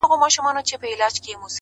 وخت د ژمنتیا اندازه ښکاره کوي!